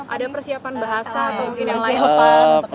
ada persiapan bahasa atau mungkin layapan